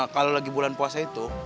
kalau lagi bulan puasa itu